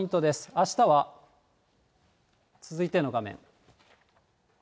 あしたは、続いての画面。